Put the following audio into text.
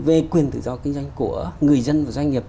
về quyền tự do kinh doanh của người dân và doanh nghiệp